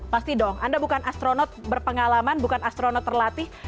pasti dong anda bukan astronot berpengalaman bukan astronot terlatih